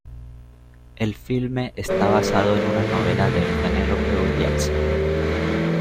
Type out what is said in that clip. El filme está basado en una novela de Penelope Williamson.